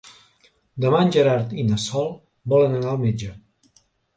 Demà en Gerard i na Sol volen anar al metge.